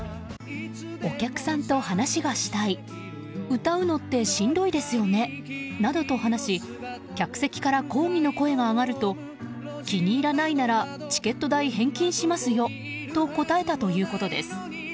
お客さんと話がしたい歌うのってしんどいですよねなどと話し客席から抗議の声が上がると気に入らないならチケット代返金しますよと答えたということです。